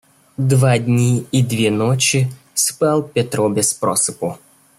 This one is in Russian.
Два дни и две ночи спал Петро без просыпу.